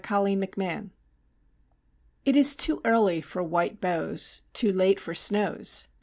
23 ^ MID MARCH. It is too early for white boughs, too late For snows.